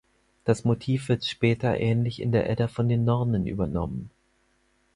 Das Motiv wird später ähnlich in der Edda von den Nornen übernommen.